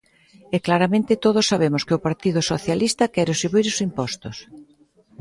E claramente todos sabemos que o Partido Socialista quere subir os impostos.